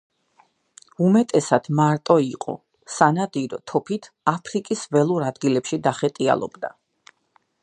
უმეტესად მარტო იყო, სანადირო თოფით აფრიკის ველურ ადგილებში დახეტიალობდა.